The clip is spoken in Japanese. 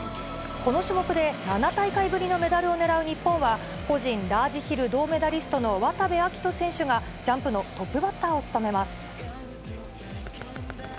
この種目で７大会ぶりのメダルをねらう日本は、個人ラージヒル銅メダリストの渡部暁斗選手が、ジャンプのトップバッターを務めます。